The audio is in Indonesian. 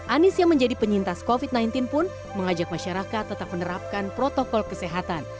anies yang menjadi penyintas covid sembilan belas pun mengajak masyarakat tetap menerapkan protokol kesehatan